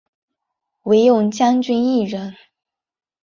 惟用将军一人。